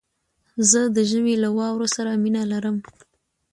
زه د ژمي له واورو سره مينه لرم